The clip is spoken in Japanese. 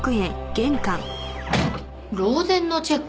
漏電のチェック？